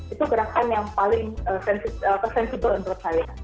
itu gerakan yang paling presensible menurut saya